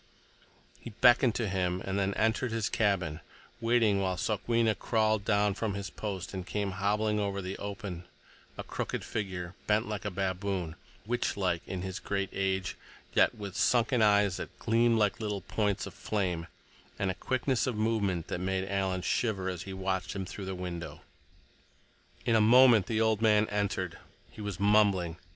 He beckoned to him and then entered his cabin, waiting while Sokwenna crawled down from his post and came hobbling over the open, a crooked figure, bent like a baboon, witch like in his great age, yet with sunken eyes that gleamed like little points of flame, and a quickness of movement that made Alan shiver as he watched him through the window. In a moment the old man entered. He was mumbling.